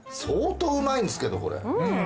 相当うまいんですけどこれ。